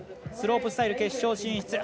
スロープスタイル決勝進出。